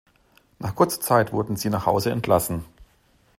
Nach kurzer Zeit wurden sie nach Hause entlassen.